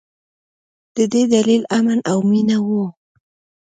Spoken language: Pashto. د دې دلیل امن او مینه وه.